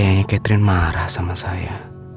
seperti katerin marah sama saya